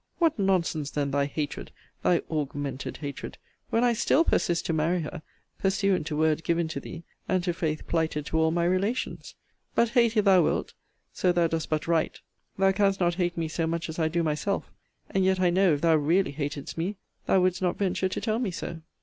What nonsense then thy hatred, thy augmented hatred, when I still persist to marry her, pursuant to word given to thee, and to faith plighted to all my relations? But hate, if thou wilt, so thou dost but write. Thou canst not hate me so much as I do myself: and yet I know if thou really hatedst me, thou wouldst not venture to tell me so.